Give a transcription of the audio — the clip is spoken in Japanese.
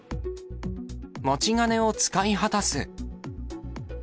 持ち金を使い果たす。